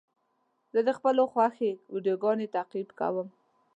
زه د خپلو خوښې ویډیوګانو تعقیب کوم.